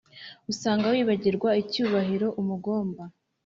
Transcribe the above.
usanga wibagirwa icyubahiro umugomba